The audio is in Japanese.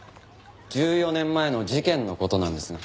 １４年前の事件の事なんですが。